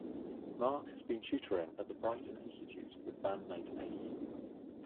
Mark has also been tutoring at the Brighton Institute with bandmate Ace.